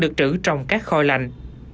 được trữ trong các kho lạnh